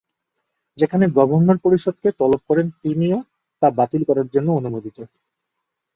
যেখানে গভর্নর পরিষদকে তলব করেন তিনিও তা বাতিল করার জন্য অনুমোদিত।